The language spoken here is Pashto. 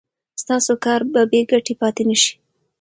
ستاسو کار به بې ګټې پاتې نشي.